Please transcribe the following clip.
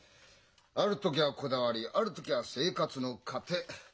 ある時はこだわりある時は生活の糧。